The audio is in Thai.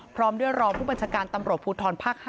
พร้อมด้วยรองผู้บันธการเอกภูทรภาค๕